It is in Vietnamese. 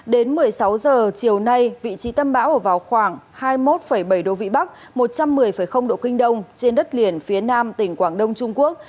đến một mươi sáu h chiều nay vị trí tâm bão ở vào khoảng hai mươi một bảy độ vĩ bắc một trăm một mươi độ kinh đông trên đất liền phía nam tỉnh quảng đông trung quốc